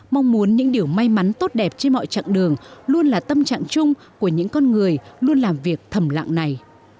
mong muốn những điều may mắn tốt đẹp trên mọi chặng đường luôn là tâm trạng chung của những con người luôn làm việc thầm lặng này